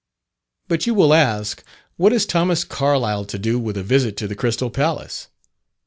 But you will ask, what has Thomas Carlyle to do with a visit to the Crystal Palace?